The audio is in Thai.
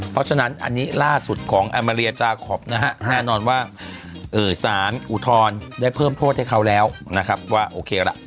เพราะฉะนั้นอันนี้ล่าสุดของอามาเรียจาคอปนะฮะแน่นอนว่าสารอุทธรณ์ได้เพิ่มโทษให้เขาแล้วนะครับว่าโอเคล่ะ